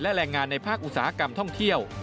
และแรงงานในภาคอุตสาหกรรมท่องเที่ยว